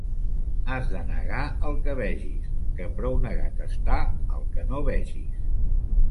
Has de negar el que vegis, que prou negat està el que no vegis.